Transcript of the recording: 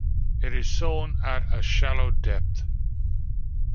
It is sown at a shallow depth.